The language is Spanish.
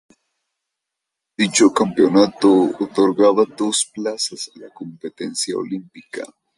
Dicho campeonato otorgaba dos plazas a la competencia olímpica.